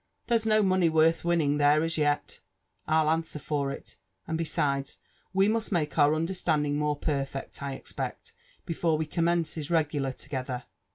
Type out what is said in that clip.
There'A ito money worlh winning tifere as yel, ril angwer for il; and besides, we must make our understanding more perfect, I expect, before we commences regular together.